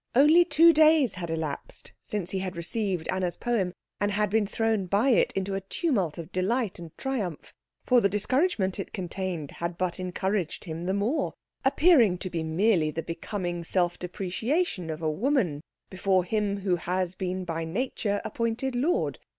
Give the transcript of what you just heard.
Only two days had elapsed since he had received Anna's poem and had been thrown by it into a tumult of delight and triumph; for the discouragement it contained had but encouraged him the more, appearing to be merely the becoming self depreciation of a woman before him who has been by nature appointed lord.